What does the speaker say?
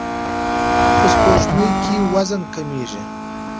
په سپوږمۍ کې وزن کمیږي.